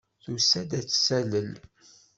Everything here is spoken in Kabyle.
Tusa-d ad t-talel.